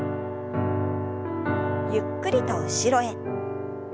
ゆっくりと後ろへ。